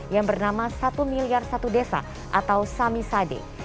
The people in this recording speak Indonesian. yang bernama satu miliar satu desa atau sami sade